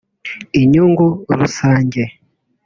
inyungu rusange